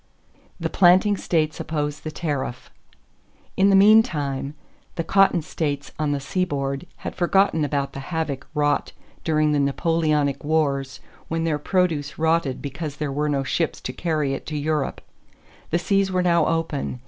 The Planting States Oppose the Tariff. In the meantime, the cotton states on the seaboard had forgotten about the havoc wrought during the Napoleonic wars when their produce rotted because there were no ships to carry it to Europe. The seas were now open.